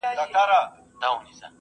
پر غریب یې د شته من په څېر پلورلې